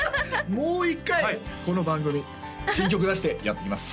もう一回この番組新曲出してやって来ます